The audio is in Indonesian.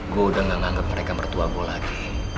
gue udah gak anggap mereka mertua gue lagi